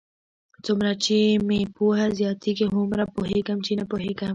څومره چې مې پوهه زیاتېږي، هومره پوهېږم؛ چې نه پوهېږم.